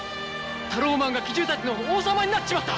タローマンが奇獣たちの王様になっちまった！